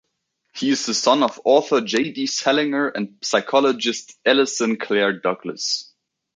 He is the son of author J. D. Salinger and psychologist Alison Claire Douglas.